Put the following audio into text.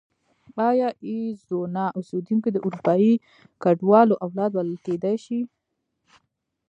ایا اریزونا اوسېدونکي د اروپایي کډوالو اولاد بلل کېدای شي؟